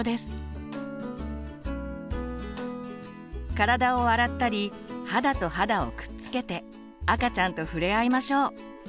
体を洗ったり肌と肌をくっつけて赤ちゃんと触れ合いましょう。